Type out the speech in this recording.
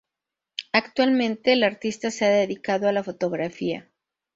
Actualmente, el artista se ha dedicado a la fotografía.